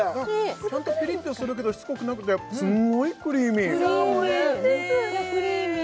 ちゃんとピリッとするけどしつこくなくてすんごいクリーミークリーミー